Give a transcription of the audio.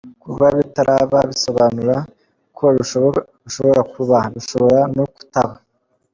Kuba bitaraba bisobanura ko bishobora kuba, bishobora no kutaba.